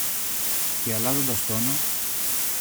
Και αλλάζοντας τόνο